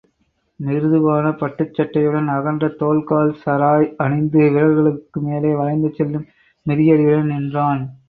மிருதுவான பட்டுச் சட்டையுடன் அகன்ற தோல்கால் சராய் அணிந்து, விரல்களுக்குமேலே வளைந்து செல்லும் மிதியடியுடன் நின்றான்.